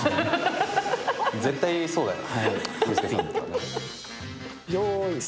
絶対そうだよね。